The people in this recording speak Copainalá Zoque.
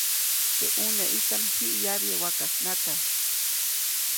Teʼ ʼuneʼistaʼm jiʼ yabye wakasnaka.